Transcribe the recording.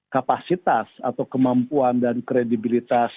kapasitas atau kemampuan dan kredibilitas